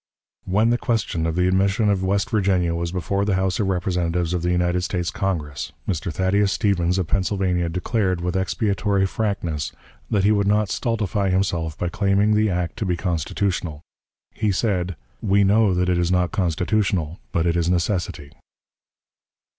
When the question of the admission of West Virginia was before the House of Representatives of the United States Congress, Mr. Thaddeus Stevens, of Pennsylvania, declared, with expiatory frankness, that he would not stultify himself by claiming the act to be constitutional. He said, "We know that it is not constitutional, but it is necessity."